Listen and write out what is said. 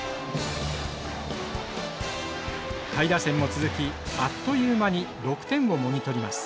下位打線も続きあっという間に６点をもぎ取ります。